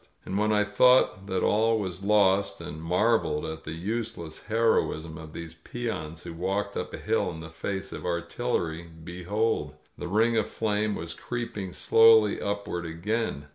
And when I thought that all was lost, and marveled at the useless heroism of these peons who walked up a hill in the face of artil lery, behold! The ring of flame was creeping slowly upward again.